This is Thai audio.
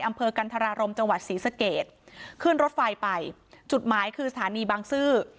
อำเภอกันธรารมจังหวัดศรีสเกตขึ้นรถไฟไปจุดหมายคือสถานีบางซื่อ